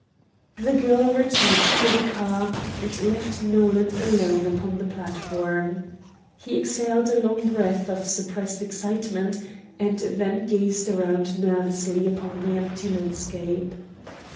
The girl returned to the car, and left Nolan alone upon the platform. He exhaled a long breath of suppressed excitement, and then gazed around nervously upon the empty landscape.